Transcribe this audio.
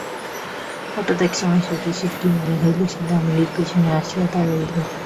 হঠাৎ এক সময়ে শচীশের কী মনে হইল, সে দামিনীর পিছনে আসিয়া দাঁড়াইল।